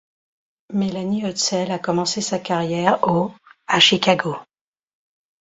Melanie Hutsell a commencé sa carrière au à Chicago.